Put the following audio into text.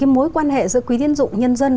mối quan hệ giữa quỹ tiến dụng nhân dân